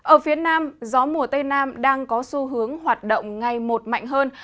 ở phía nam gió mùa tây nam đang có xu hướng hoạt động ngày một mạnh hơn